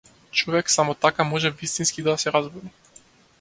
Човек само така може вистински да се разбуди.